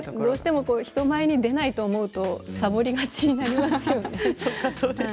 人前に出ないと思うとさぼりがちになりますよね。